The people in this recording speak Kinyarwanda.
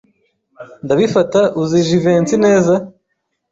Ndabifata uzi Jivency neza.